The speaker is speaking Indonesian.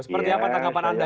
seperti apa tanggapan anda